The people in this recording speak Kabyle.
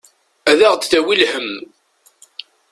Ad aɣ-d-tawi lhemm.